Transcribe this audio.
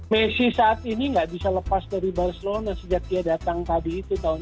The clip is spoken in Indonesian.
messi saat ini nggak bisa lepas dari barcelona sejak dia datang tadi itu tahun dua ribu